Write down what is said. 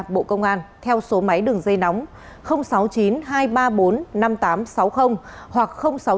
bộ công an theo số máy đường dây nóng sáu mươi chín hai trăm ba mươi bốn năm nghìn tám trăm sáu mươi hoặc sáu mươi chín hai trăm ba mươi hai một nghìn sáu trăm sáu mươi